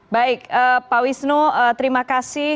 baik pak wisnu terima kasih